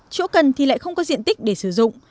chỗ cần thì lại không có diện tích để sử dụng